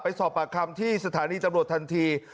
สอบปากคำที่สถานีตำรวจทันที